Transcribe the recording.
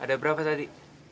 ada berapa tadi